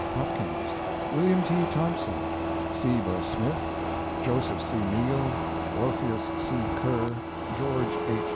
Hopkins, William T. Thompson, Seba Smith, Joseph C. Neal, Orpheus C. Kerr, George H.